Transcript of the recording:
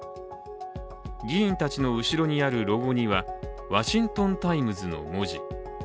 議員たちの後ろにあるロゴには「ワシントン・タイムズ」の文字。